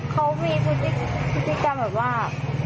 เขามีพฤติกรรมแบบว่า